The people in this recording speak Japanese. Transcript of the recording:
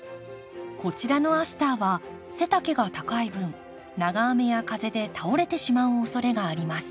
こちらのアスターは背丈が高い分長雨や風で倒れてしまうおそれがあります。